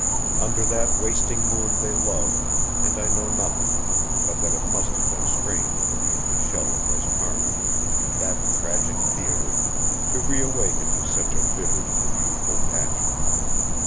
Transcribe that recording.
Under that wasting moon they loved, and I know nothing, but that it must have been strange for the empty shell of Roscarna, that tragic theatre, to reawaken to such a vivid and youthful passion.